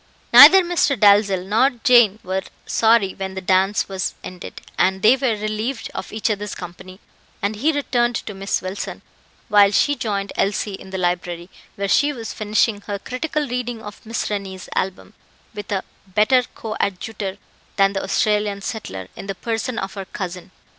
Neither Mr. Dalzell nor Jane were sorry when the dance was ended and they were relieved of each other's company; and he returned to Miss Wilson, while she joined Elsie in the library, where she was finishing her critical reading of Miss Rennie's album, with a better coadjutor than the Australian settler, in the person of her cousin.